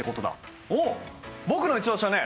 僕のイチオシはね